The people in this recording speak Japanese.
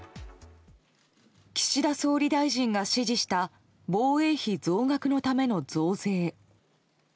岸田総理大臣が指示した防衛費増額のための増税。